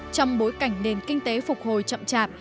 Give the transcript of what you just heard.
trong bối cảnh nền kinh tế phục hồi chậm chạp